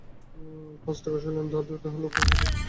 পাঁচ টাকা শৈলেন তাহার দলের লোক কাহারো নিকট হইতে পায় নাই।